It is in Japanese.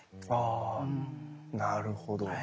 あぁなるほど。